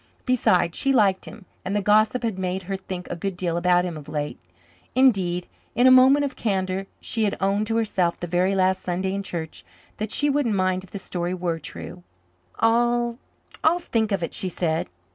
Besides, she liked him, and the gossip had made her think a good deal about him of late. Indeed, in a moment of candour she had owned to herself the very last Sunday in church that she wouldn't mind if the story were true. "I'll I'll think of it," she said.